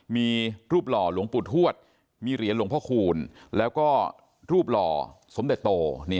มีรูปหล่อหลวงปู่ทวดมีเหรียญหลวงพ่อคูณแล้วก็รูปหล่อสมเด็จโต